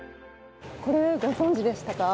これご存じでしたか？